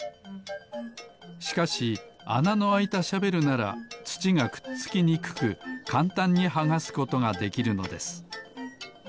しかしあなのあいたシャベルならつちがくっつきにくくかんたんにはがすことができるのです。